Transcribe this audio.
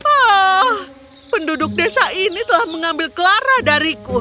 oh penduduk desa ini telah mengambil clara